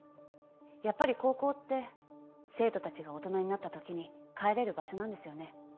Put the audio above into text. やっぱり高校って生徒達が大人になった時に帰れる場所なんですよね